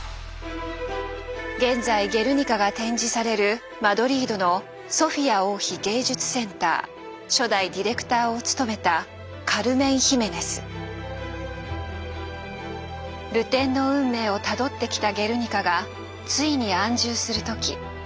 現在「ゲルニカ」が展示されるマドリードのソフィア王妃芸術センター初代ディレクターを務めた流転の運命をたどってきた「ゲルニカ」がついに安住する時。